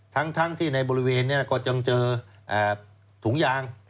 ทั้งทั้งที่ในบริเวณก็จะเห็นถุงยาง